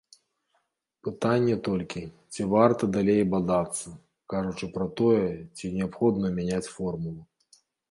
Пытанне толькі, ці варта далей бадацца, кажучы пра тое, ці неабходна мяняць формулу.